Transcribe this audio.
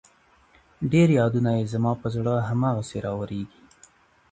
ډېر يادونه يې زما په زړه هم هغسې راوريږي